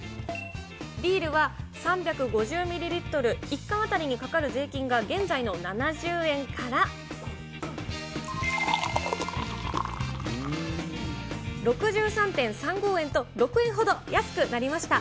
ビールは３５０ミリリットル１缶当たりにかかる税金が現在の７０円から６３．３５円と、６円ほど安くなりました。